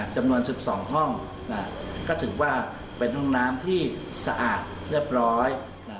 จำนวน๑๒ห้องก็ถือว่าเป็นห้องน้ำที่สะอาดเรียบร้อย